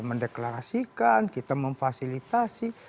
mendeklarasikan kita memfasilitasi